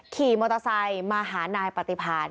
ขี่มอเตอร์ไซค์มาหานายปฏิพาณ